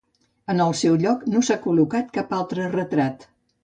En el seu lloc no s’ha col·locat cap altre retrat.